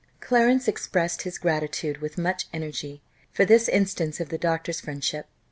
Clarence expressed his gratitude with much energy, for this instance of the doctor's friendship.